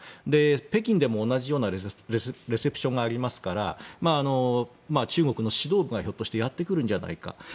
北京でも同じようなレセプションがありますから中国の指導部がひょっとしてやってくるんじゃないか。